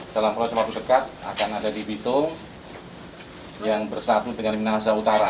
dalam proses waktu dekat akan ada di bitung yang bersatu dengan minahasa utara